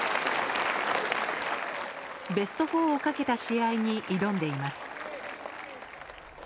ベスト４をかけた試合に挑んでいます。